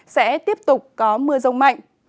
sẽ tiếp tục có mưa rông mạnh